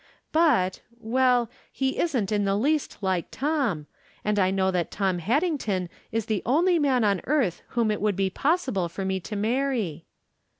But — ^well, he isn't in the least like Tom, and I know that Tom Haddington is the only man on earth whom it would be possible for me to marry.